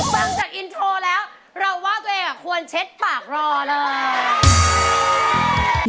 ฟังจากอินโทรแล้วเราว่าตัวเองควรเช็ดปากรอเลย